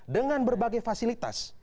dengan berbagai fasilitas